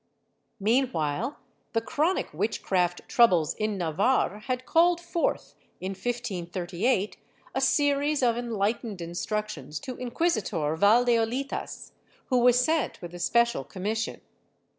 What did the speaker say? Meanwhile the chronic witchcraft troubles in Navarre had called forth, in 1538, a series of enlightened instructions to Inc[uisitor Valdeolitas, who was sent with a special commission.